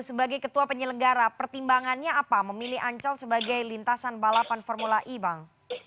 sebagai ketua penyelenggara pertimbangannya apa memilih ancol sebagai lintasan balapan formula e bang